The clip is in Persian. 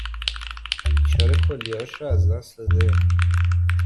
بیچاره کلیه هاش رو از دست داده